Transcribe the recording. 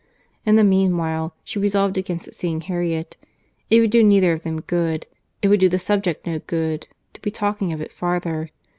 In the meanwhile, she resolved against seeing Harriet.—It would do neither of them good, it would do the subject no good, to be talking of it farther.